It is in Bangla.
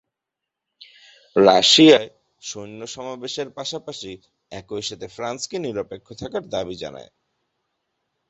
রাশিয়ায় সৈন্য সমাবেশের পাশাপাশি একইসাথে ফ্রান্সকে নিরপেক্ষ থাকার দাবি জানায়।